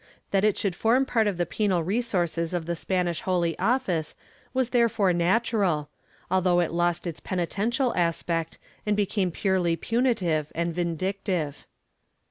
That it should form part of the penal resources of the Spanish Holy Office was therefore natural, although it lost its penitential aspect and became purely punitive and vin dictive.